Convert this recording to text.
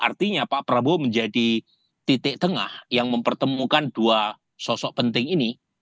artinya pak prabowo menjadi titik tengah yang mempertemukan dua sosok penting ini